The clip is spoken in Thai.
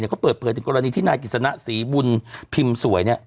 เขาเปิดเผยถึงกรณีที่นายกิจสนะศรีบุญพิมพ์สวย